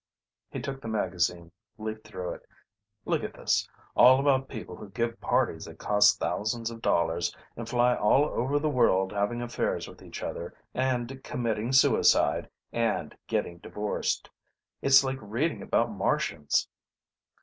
He took the magazine, leafed through it. "Look at this: all about people who give parties that cost thousands of dollars, and fly all over the world having affairs with each other and committing suicide and getting divorced. It's like reading about Martians."